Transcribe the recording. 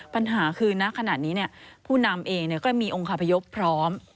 ปัญหาคือนักขนาดนี้เนี่ยผู้นำเองก็มีองค์คาพยพพร้อม